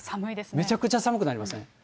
めちゃくちゃ寒くなりますね。